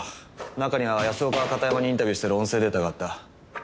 中には安岡が片山にインタビューしてる音声データがあった。